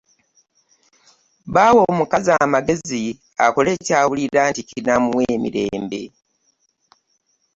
Baawa omukazi amagezi akole ky'awulira nti kinaamuwa emirembe.